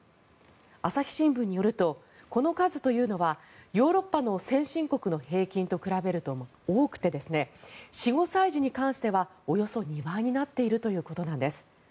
朝日新聞によるとこの数というのはヨーロッパの先進国の平均と比べると多くて４５歳児に関してはおよそ２倍になっているということです。